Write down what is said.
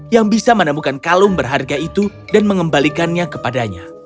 yang bisa menemukan kalung berharga itu dan mengembalikannya kepadanya